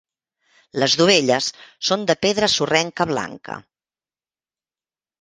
Les dovelles són de pedra sorrenca blanca.